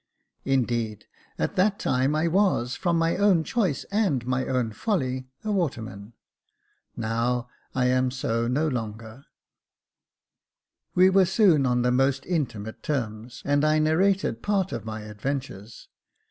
" Indeed, at that time I was, from my own choice and my own folly, a waterman : now I am so no longer." 39^ Jacob Faithful We were soon on the most intimate terms, and I narrated part of my adventures.